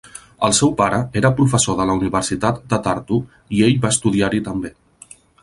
El seu pare era professor de la Universitat de Tartu, i ell va estudiar-hi també.